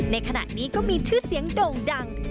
ในขณะนี้ก็มีชื่อเสียงโด่งดัง